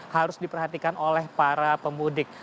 harus diperhatikan oleh para pemudik